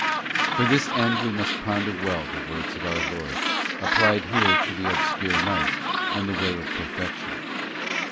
For this end we must ponder well the words of our Lord, applied here to the obscure night, and the way of perfection.